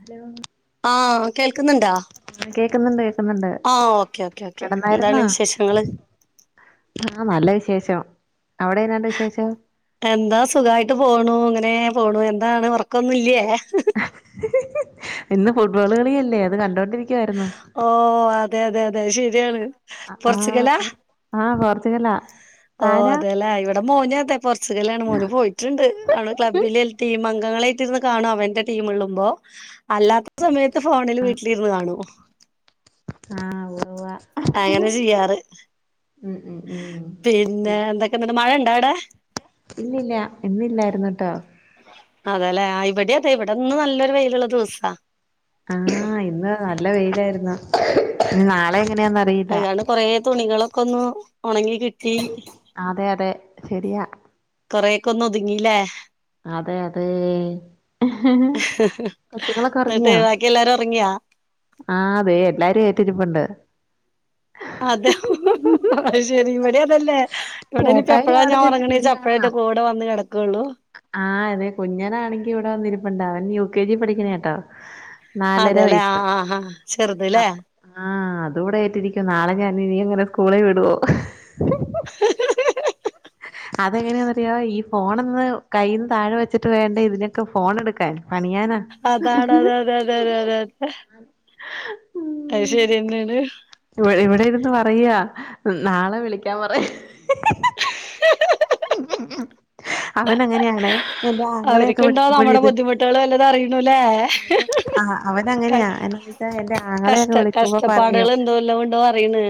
Hello.. ആഹ കേൾക്കുന്നുണ്ടാ.. കേക്കുന്നുണ്ട് കേക്കുന്നുണ്ട് ആഹ് ഓക്കെ ഓക്കെ ഓക്കെ എന്താണ് കെടന്നായിര്ന്നാ വിശേഷങ്ങള് ആഹ നല്ല വിശേഷം അവിടെ എന്നാ ഉണ്ട് വിശേഷം.. എന്താ സുഖായിട്ട് പോണു ഇങ്ങനെ പോണു എന്താണ് ഉറക്കൊന്നും ഇല്യെയെ.. ഇന്ന് ഫുട്ബോള് കളിയല്ലേ അത് കണ്ടോണ്ടിരിക്കുവായിരുന്നു.. ഓ അതെ അതെ അതെ ശരിയാണ്.. പോർച്ചുഗലാ ആഹ ആഹ പോർച്ചുഗല.. ഓ അതേല്ലേ ഇവിടെ മോനതെ പോർച്ചുഗല ആണ് മോന് പോയി.. ണ്ട് ആവിടെ ക്ലബ്ബില് ടീം അംഗങ്ങളായിട്ടിരുന്ന് കാണും അവന്റെ ടീം ഉള്ളുമ്പോ.. അല്ലാത്ത സമയത്ത് ഫോണിൽ വീട്ടിലിരുന്ന് കാണും.. ആഹ് ഒയിവാ.. അങ്ങനെ ചെയ്യാറ്.. ഉം ഉം ഉം.. പിന്നെ എന്തൊക്കെണ്ട് മഴ ഇണ്ടാ അവിടെ.. ഇല്ലില്ല ഇന്നില്ലായിരുന്ന് ട്ടോ.. അതെല്ലെ ഇവിടെ അതെ ഇവിടെന്ന് നല്ലൊരു വെയിലുള്ള ദിവസാ.. ആഹ ഇന്ന് നല്ല വെയിലായിരുന്നു ഇനി നാളെ എങ്ങനെയാന്നറിയില്ല.. കൊറെ തുണികളൊക്കെ ഒന്ന് ഉണങ്ങി കിട്ടി.. അതെ അതെ ശെരിയാ.. കൊറെക്കെന്ന് ഒതുങ്ങില്ലേ.. അതെ അതെ കൊച്ചുങ്ങള്ളൊക്കെ എന്നിട്ട് ഉറങ്ങിയാ.. ബാക്കി എല്ലാരും ഉറങ്ങിയാ ആഹ് അതെ എല്ലാരും കേറ്റിരിപ്പുണ്ട്.. അതെ അത് ശെരി ഇവിടെ അതന്നെ.. ഇവിടെ ചേട്ടായി ഇനിചെപ്പളാ അവിടെ ഞാൻ ഇരുന്ന് ടി ഉറങ്ങണച്ച അപ്പഴ കൂടെ വന്ന് കിടക്കയുള്ളൂ.. ആഹ അതെ കുഞ്ഞനാണെങ്കി ഇവിടെ വന്നിരിപ്പുണ്ട് അവൻ യു കെ ജി പഠിക്കണേ ട്ടോ.. അതെല്ലേ ആ ആഹാ ചെറുതല്ലേ.. അപ് ആഹ് അത് ഇവിടെ ഏറ്റിരിക്കുന്നു നാളെ ഞാൻ ഇനീ എങ്ങനെ സ്കൂളിൽ വിടുവോ.. അതെങ്ങനെയാപറയാ ഈ ഫോണന്ന് കൈയ്യി നിന്ന് താഴെ വെച്ചിട്ട് വേണ്ട ഇതിനൊക്കെ ഫോണ എടുക്കാൻ പണിയാനാ.. അതാണ് അതെ അതെ അതെ അതെ അതെ അതെ.. അത് ശരിയെന്നെണ്.. ഇവിഇവിടെ ഇരുന്ന് പറയാ നാളെ വിളിക്കാൻ പറയി. അവൻ അങ്ങനെയണ്ണേ.. എന്റെ ആങ്ങളെയൊക്കെ അവർക്കുണ്ടോ വിളിക്കുമ്പോഴ നമ്മുടെ ഇത് ബുദ്ധിമുട്ടുകൾ വല്ലതും അറിയണൂല്ലേ അത് ആ അവന ക- അങ്ങനെയാ.. എന്റെ ആങ്ങളെക്കെ കഷ്ട വിളിക്കുമ്പോ കഷ്ടപ്പാടുകൾ പറയും എന്തോല്ലാം ഉണ്ടോ അറിയണ്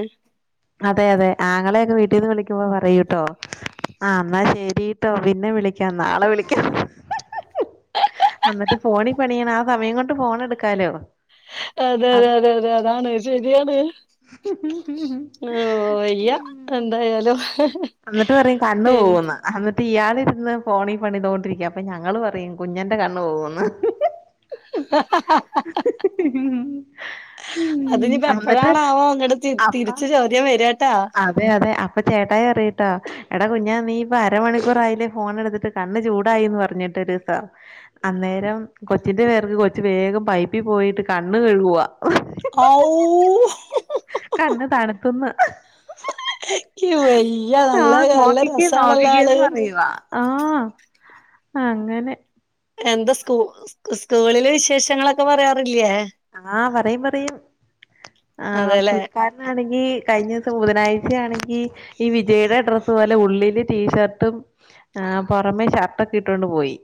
അതെ അതെ ആങ്ങളെക്കെ വീട്ടിന്ന് വിളിക്കുമ്പോ പറയൂട്ടോ ആഹ് എന്നാ ശെരിട്ടോ പിന്നെ വിളിക്കാം നാളെ വിളിക്കാം അന്നിട്ട് ഫോണി പണിയണ ആ സമയം കൊണ്ട് ഫോണെടുക്കാല്ലോ അതെ അതെ അതെ അതെ അതാണ് ശരിയാണ് ഓഹ് വയ്യ എന്തായാലും എന്നിട്ട് പറയും കണ്ണ് പിന്നെ പോകുന്ന് അന്നിട്ട് ഇയാളിരുന്ന് ഫോണീ പണിതോണ്ടിരിക്ക അപ്പൊ ഞങ്ങള് പറയും കുഞ്ഞന്റെ കണ്ണ് പോകുന്ന് ഉം അതിനിപ്പോ എന്നിട്ട് എപ്പഴാണാവോ ഇങ്ങോട്ട് തി അപ്പ തിരിച്ച് ചോദ്യം വര ട്ടോ അതെ അതെ അപ്പ ചേട്ടായി പറയ് ട്ടോ എടാ കുഞാ നീ ഇപ്പ അരമണിക്കൂറായില്ലേ ഫോൺ എടുത്തിട്ട് കണ്ണ് ചൂടായിന്ന് പറഞ്ഞിട്ട് ഒരു [unintelligible] അന്നേരം കൊച്ചിന്റെ പേർക്ക് കൊച്ചു വേഗം പൈപ്പി പോയിട്ട് കണ്ണ് കഴുകുവ ആയി കണ്ണ് തണുത്തന്ന് ക്ക് വയ്യ നല്ല ആഹ് നല്ല നോക്കിക്കേ രസാണല്ലാള് നോക്കിക്കേന്ന് പറയുവാ ആഹ് അങ്ങനെ എന്താ സ്കൂ സ്കൂളിലെ വിശേഷങ്ങളൊക്കെ പറയാറില്ലേ? ആഹ് പറയും പറയും ആഹ് അതെല്ലേ പുൾക്കാ ഇന്നാണെങ്കി കഴിഞ്ഞ ദിവസം ബുധനാഴ്ച ആണെങ്കി ഈ വിജയുടെ ഡ്രസ്പോല് ല് ഉള്ളില് ടീഷർട്ടും ആഹ് പുറമേ ഷർട്ടൊക്കെ ഇട്ടൊണ്ട് പോയി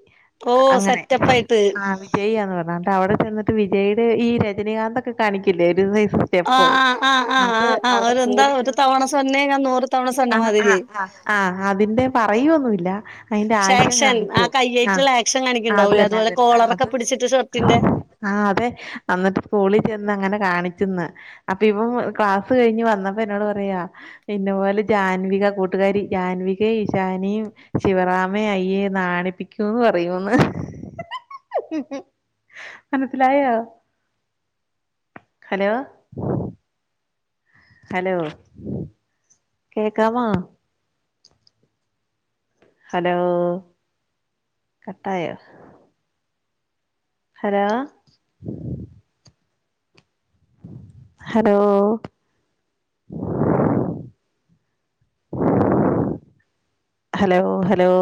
ഓ അങ്ങനെ സെറ്റപ്പായിട്ട് ആഹ് വിജയന്ന് പറഞ്ഞ് ന്നട്ട് ട അവിടെ ചെന്നിട്ട് വിജയ്ടെ ഈ രജനികാന്തൊക്കെ കാണിക്കില്ലേ ഒരു സൈസ് സ്റ്റെപ്പ് ആഹ് ആഹ് ആഹ് അത് ആഹ് ആഹ് അവിടെ ഒരു എന്താ സ്കൂളി ഒരു ചെന്നിട്ട് തവണ സൊന്നേങ്ങ നൂറ് തവണ സൊന്ന ആഹ് മാതിരി ആഹ് ആഹ് ആഹ് അതിന്റെ പറയൊന്നുല്ല അതിന്റെ ആക്ഷൻ കാണിച്ചു. ആഹ് [unintelligible] ആക്ഷൻ അത് കണിക്കുണ്ടാവുല്ലേ തന്നെ അതുപോലെ ആഹ് അത് കോളറക്കെ പിടിച്ചിട്ട് ഷർട്ടിന്റെ ആഹ് അതെ അന്നിട്ട് സ്കൂളി ചെന്ന് അങ്ങനെ കാണിക്ക്ന്ന് അപ്പൊ ഇവൻ ക്ലാസ് കഴിഞ്ഞ് വന്നപ്പ എന്നോട് പറയാ എന്ന പോലെ ജാൻവിക കൂട്ടുകാരി ജാൻവികേ ഇഷാനിയിം ശിവറാമെ അയ്യെ നാണിപ്പിക്കൂന്ന് പറയൂന്ന് മനസ്സിലായോ? ഹലോ ഹലോ കേക്കാമോ? ഹലോ കട്ടായോ ഹലോ ഹലോ ഹലോ ഹലോ